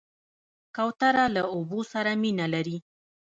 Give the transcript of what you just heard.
کوتره له اوبو سره مینه لري.